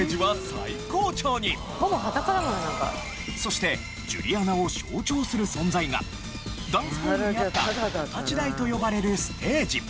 そしてジュリアナを象徴する存在がダンスホールにあったお立ち台と呼ばれるステージ。